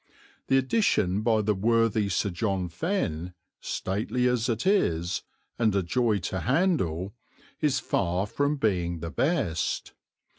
The edition by the worthy Sir John Fenn, stately as it is, and a joy to handle, is far from being the best.